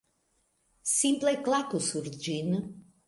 Simple klaku sur ĝin